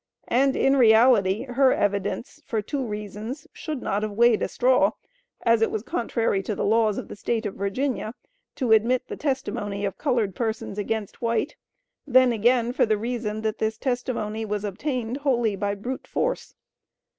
And in reality her evidence, for two reasons, should not have weighed a straw, as it was contrary to the laws of the State of Virginia, to admit the testimony of colored persons against white; then again for the reason that this testimony was obtained wholly by brute force.